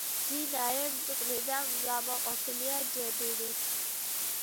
მდინარე მტკვრიდან გამოყოფილია ჯებირით.